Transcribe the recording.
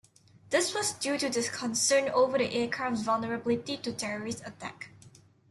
This was due to the concern over the aircraft's vulnerability to terrorist attack.